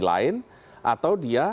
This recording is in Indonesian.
lain atau dia